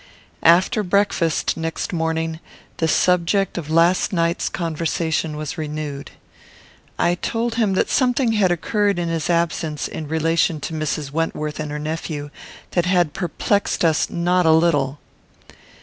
After breakfast next morning, the subject of last night's conversation was renewed. I told him that something had occurred in his absence, in relation to Mrs. Wentworth and her nephew, that had perplexed us not a little.